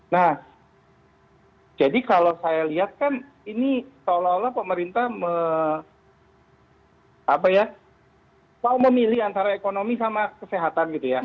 nah jadi kalau saya lihat kan ini seolah olah pemerintah mau memilih antara ekonomi sama kesehatan gitu ya